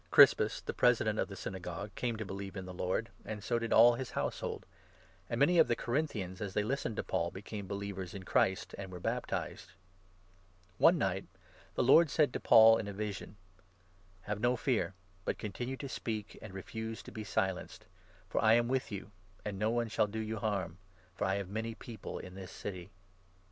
Crispus, the 8 President of the Synagogue, came to believe in the Lord, and so did all his household ; and many of the Corinthians, as they listened to Paul, became believers in Christ and were baptized. One night the Lord said to Paul, in a 9 vision :" Have no fear, but continue to speak, and refuse to be silenced ; for I am with you, and no one shall do you harm, 10 for I have many People in this city."